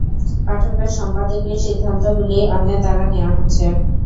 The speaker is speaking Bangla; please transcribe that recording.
পাঠকরা সম্পাদকীয় সিদ্ধান্তগুলি অন্যের দ্বারা নেওয়া হচ্ছে।